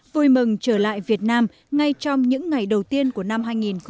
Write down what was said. vui mừng trở lại việt nam ngay trong những ngày đầu tiên của năm hai nghìn một mươi tám